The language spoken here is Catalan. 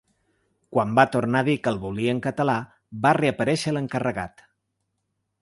Quan va tornar a dir que el volia en català, va reaparèixer l’encarregat.